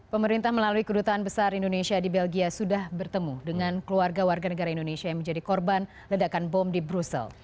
pemerintah melalui kedutaan besar indonesia di belgia sudah bertemu dengan keluarga warga negara indonesia yang menjadi korban ledakan bom di brussel